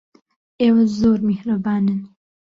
ئێوە زۆر میهرەبانن.